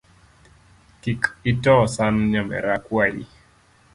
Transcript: Kik ito san nyamera akuai.